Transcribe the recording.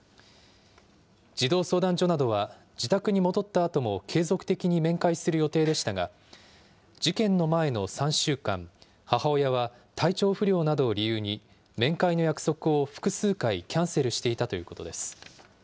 児童相談所などは、自宅に戻ったあとも継続的に面会する予定でしたが、事件の前の３週間、母親は体調不良などを理由に、面会の約束を複数回キャンセルしていたということです。